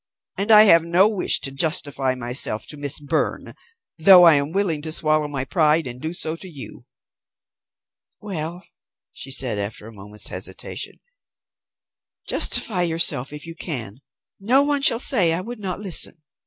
And I have no wish to justify myself to Miss Byrne, though I am willing to swallow my pride and do so to you." "Well," she said after a moment's hesitation, "justify yourself if you can. No one shall say I would not listen.